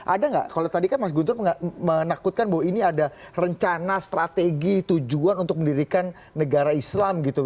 ada nggak kalau tadi kan mas guntur menakutkan bahwa ini ada rencana strategi tujuan untuk mendirikan negara islam gitu